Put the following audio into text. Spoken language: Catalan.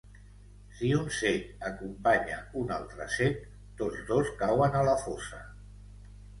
Si un cec acompanya un altre cec, tots dos cauen a la fossa.